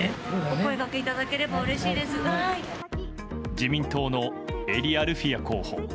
自民党の英利アルフィヤ候補。